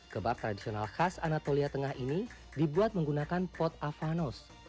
kebab tradisional khas anatolia tengah ini dibuat menggunakan pot avanus